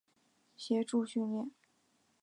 协助训练。